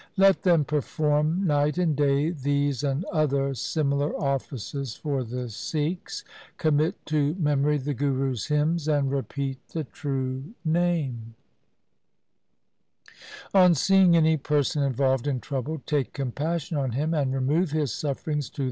Let them perform night and day these and other similar offices for the Sikhs, commit to memory the Gurus' hymns, and repeat the True Name. i6o THE SIKH RELIGION ' On seeing any person involved in trouble take compassion on him, and remove his sufferings to